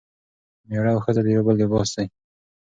میړه او ښځه د یو بل لباس دي.